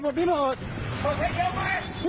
มีเมท